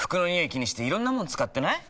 気にしていろんなもの使ってない？